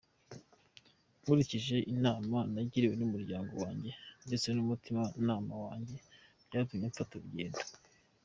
Nkurikije inama nagiriwe n’umuryango wanjye ndetse n’umutima nama wanjye, byatumye nfata urugendo